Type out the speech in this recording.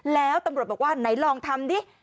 แล้วตำรวจบอกว่าไหนลองทำดิ